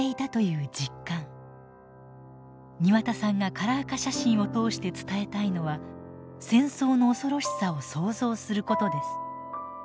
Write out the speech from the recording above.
庭田さんがカラー化写真を通して伝えたいのは戦争の恐ろしさを想像することです。